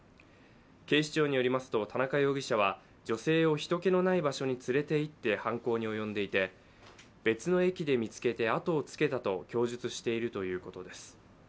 警視庁によりますと田中容疑者は女性を人けのない場所に連れていって犯行に及んでいて、別の駅で見つけて後をつけたと供述しているということです。